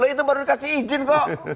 itu baru dikasih izin kok